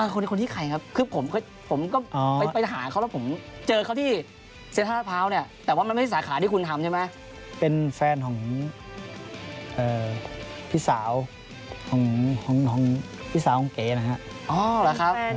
ของพี่สาวของเก๋นะฮะเป็นแฟนของพี่สาวเก๋เก๋ก็คือฟันของคุณแหลมนั่นแหละ